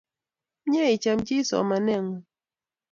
Mye icham chi somanet ng'ung'